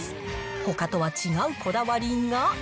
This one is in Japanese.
ほかとは違うこだわりが。